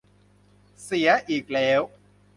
เสียอีกแล้ว